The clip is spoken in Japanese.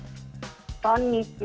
こんにちは。